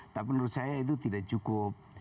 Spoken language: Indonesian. tapi menurut saya itu tidak cukup